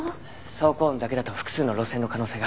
走行音だけだと複数の路線の可能性が。